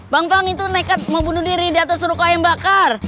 bang faang itu nekat mau bunuh diri di atas ruka yang bakar